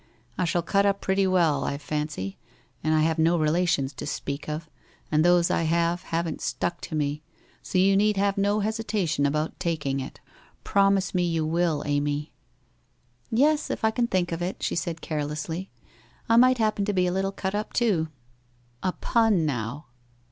I shall cut up pretty well, I fancy, and I have no relations to speak of and those I have haven't stuck to me, so you need have no hesitation about taking it. Promise you will, Amy?' ' Yes, if I can think of it,' said she carelessly. ' I might happen to be a little cut up too! '( A pun, now